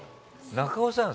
中尾さん